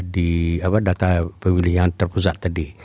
di data pemilih yang terpusat tadi